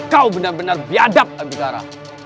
kau benar benar biadab ambigara